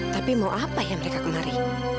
tapi mau apa ya mereka kemari